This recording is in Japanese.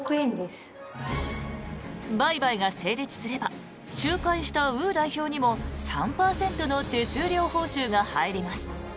売買が成立すれば仲介したウー代表にも３％の手数料報酬が入ります。